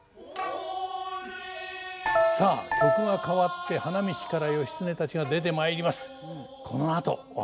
さあ曲が変わって花道から義経たちが出てまいります。